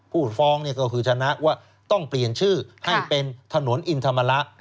พูดฟ้องก็คือชนะว่าต้องเปลี่ยนชื่อให้เป็นถนนอินธรรมระ